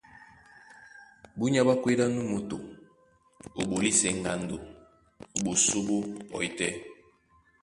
Búnyá ɓwá kwédí á nú moto ó ɓolisɛ ŋgando a ɓosó ɓó pɔí tɛ́,